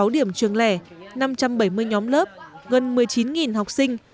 năm mươi sáu điểm trường lẻ năm trăm bảy mươi nhóm lớp gần một mươi chín học sinh